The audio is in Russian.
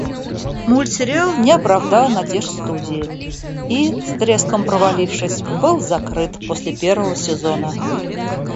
Мультсериал не оправдал надежд студии и, с треском провалившись, был закрыт после первого сезона.